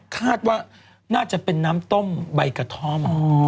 คาดว่าน่าจะเป็นน้ำต้มใบกระท่อม